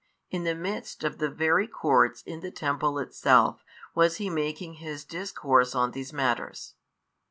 in the midst of the very courts in the Temple itself was He making His Discourse on these matters.